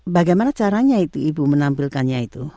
bagaimana caranya itu ibu menampilkannya itu